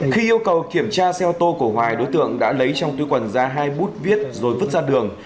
khi yêu cầu kiểm tra xe ô tô của hoài đối tượng đã lấy trong túi quần ra hai bút viết rồi vứt ra đường